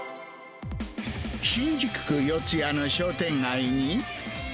新宿区四谷の商店街に。